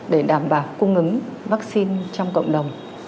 để đảm bảo cung ứng vaccine trong cộng đồng